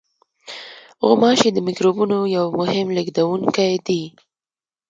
غوماشې د میکروبونو یو مهم لېږدوونکی دي.